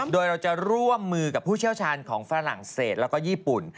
โดยเราจะร่วมมือกับผู้เชี่ยวชาญของฝรั่งเศสแล้วก็ญี่ปุ่น